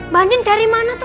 bandit dari mana tuh